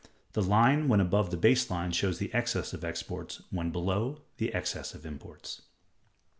The line when above the base line shows the excess of exports; when below, the excess of imports.